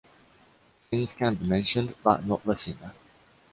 Sins can be mentioned but not the sinner.